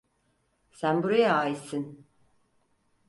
Sen buraya aitsin.